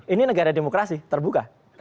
ini negara demokrasi terbuka